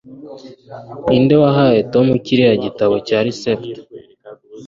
ninde wahaye tom kiriya gitabo cya resept